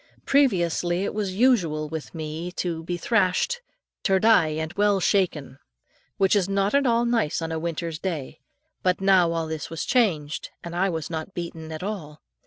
Previously it was usual with me to be thrashed "ter die, and well shaken," which was not at all nice on a winter's day; but now all this was changed, and I was not beaten at all.